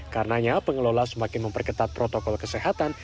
karenanya pengelola semakin memperketat protokol kesehatan